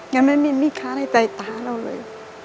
เงินมันไม่มีค่าในใจตาเราเลย